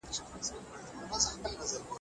چي باران درڅخه غواړم دا توپان ولي راځي